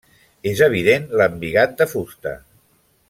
És evident l'embigat de fusta.